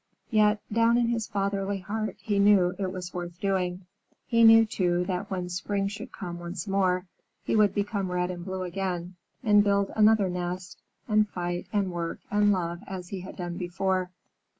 Yet, down in his fatherly heart he knew it was worth doing. He knew, too, that when spring should come once more, he would become red and blue again, and build another nest, and fight and work and love as he had done before.